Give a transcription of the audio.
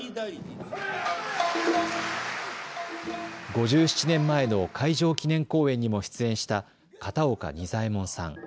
５７年前の開場記念公演にも出演した片岡仁左衛門さん。